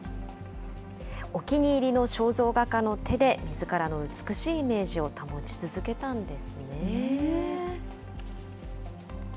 お気に入りの肖像画家の手で、みずからの美しいイメージを保ち続けたんですね。